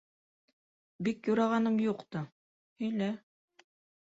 - Бик юрағаным юҡ та... һөйлә.